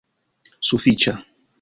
sufiĉa